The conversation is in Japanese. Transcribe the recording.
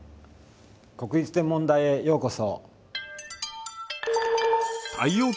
国立天文台へようこそ。